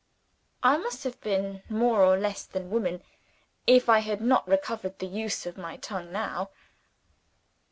(I must have been more or less than woman, if I had not recovered the use of my tongue now!)